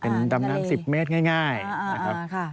เป็นดำน้ำ๑๐เมตรง่ายนะครับ